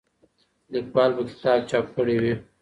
لیکوال به کتاب چاپ کړی وي.